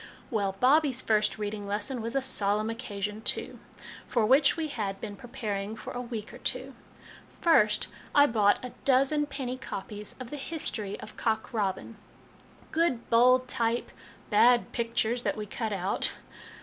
Well, Bobbie's first reading lesson was a solemn occasion too, for which we had been preparing for a week or two. First, I bought a dozen penny copies of the ' History of Cock Robin ' good bold type, bad pictures, that we cut out.